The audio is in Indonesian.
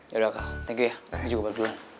yaudah kak thank you ya kakak juga berdua